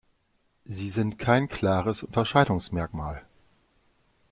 Sie sind kein klares Unterscheidungsmerkmal.